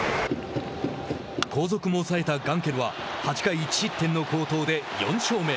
後続も抑えたガンケルは８回１失点の好投で４勝目。